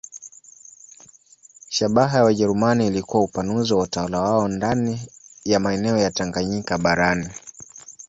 Shabaha ya Wajerumani ilikuwa upanuzi wa utawala wao ndani ya maeneo ya Tanganyika barani.